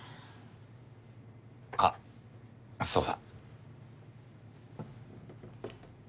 あっそうだ。